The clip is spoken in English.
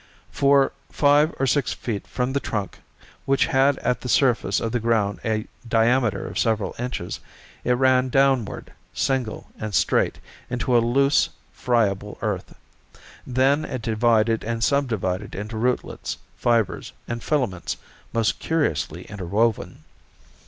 For five or six feet from the trunk, which had at the surface of the ground a diameter of several inches, it ran downward, single and straight, into a loose, friable earth; then it divided and subdivided into rootlets, fibers and filaments, most curiously interwoven.